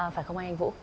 phải không anh vũ